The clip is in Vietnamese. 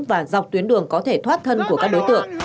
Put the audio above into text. và dọc tuyến đường có thể thoát thân của các đối tượng